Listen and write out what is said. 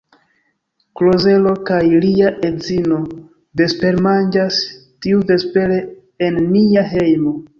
Klozelo kaj lia edzino vespermanĝas tiuvespere en nia hejmo.